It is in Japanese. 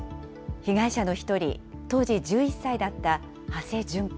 被害者の一人、当時１１歳だった土師淳君。